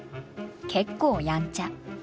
結構やんちゃ。